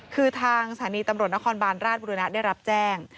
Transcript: คือทางสถานีตำรวจนครบานราชบุรณะได้รับแจ้ง